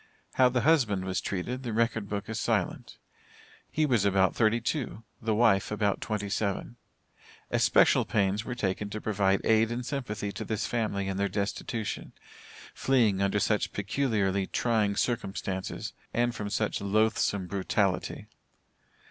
How the husband was treated, the record book is silent. He was about thirty two the wife about twenty seven. Especial pains were taken to provide aid and sympathy to this family in their destitution, fleeing under such peculiarly trying circumstances and from such loathsome brutality.